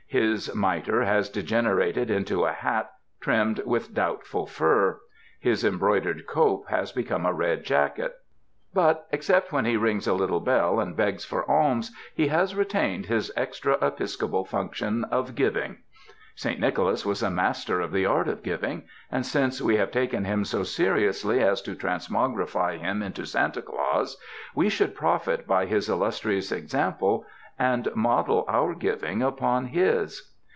His mitre has degenerated into a hat trimmed with doubtful fur; his embroidered cope has become a red jacket. But (except when he ESSAYS rings a little bell and begs for alms) he has retained his extra episcopal function of giving. Saint Nicholas was a master of the art of giving; and since we have taken him so seriously as to transmogrify him into Santa Claus, we should profit by his illus trious example and model our giving upon his.